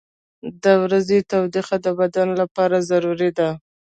• د ورځې تودوخه د بدن لپاره ضروري ده.